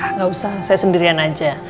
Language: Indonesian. enggak usah saya sendirian aja